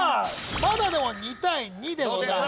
まだでも２対２でございます